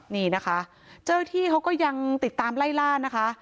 นี่นะคะเจ้าหน้าที่เขาก็ยังติดตามไล่ล่านะคะ